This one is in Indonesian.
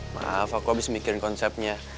maaf aku habis mikirin konsepnya